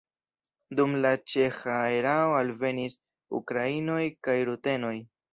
Dum la ĉeĥa erao alvenis ukrainoj kaj rutenoj.